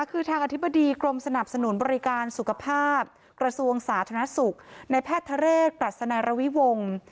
คือทางอธิบดีกรมสนับสนุนบริการสุขภาพกระทรวงสาธารณสุขในแพทย์ทะเรศกรัศนรวิวงศ์